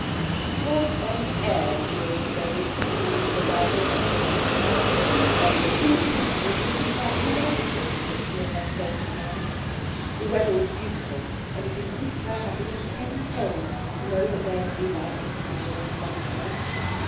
She trod on air during the days preceding the arrival of the chosen. To say that she was blissful would be but an inadequate description of her state of mind. The weather was beautiful, and it increased her happiness tenfold to know that their new life was to begin in sunshine.